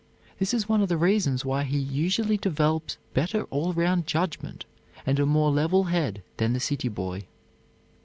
This is one of the reasons why he usually develops better all round judgment and a more level head than the city boy.